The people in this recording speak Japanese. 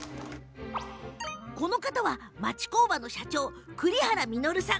この方は、町工場の社長栗原稔さん。